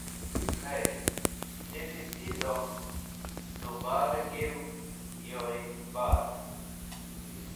Kheyr, nivi ti zoq tu barẽ gew you bad.